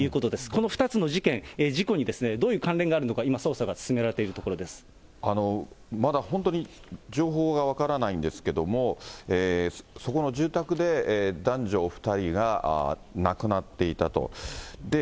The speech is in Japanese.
この２つの事件、事故にどういう関連があるのか、今、捜査が進めまだ本当に情報が分からないんですけども、そこの住宅で男女お２人が亡くなっていたと。